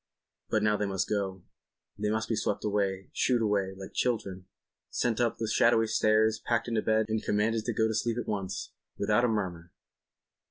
But now they must go. They must be swept away, shooed away—like children, sent up the shadowy stairs, packed into bed and commanded to go to sleep—at once—without a murmur!